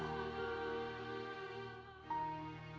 tuhan yang menjaga saya